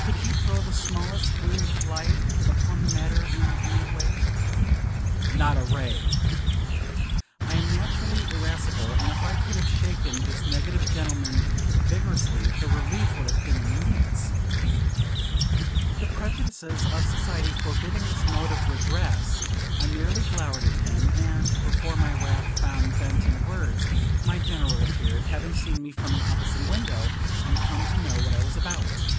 "Could he throw the smallest gleam of light upon the matter, in any way?" Not a ray. I am naturally irascible, and if I could have shaken this negative gentleman vigorously, the relief would have been immense. The prejudices of society forbidding this mode of redress, I merely glowered at him; and, before my wrath found vent in words, my General appeared, having seen me from an opposite window, and come to know what I was about.